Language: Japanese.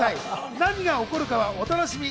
何が起こるかはお楽しみに！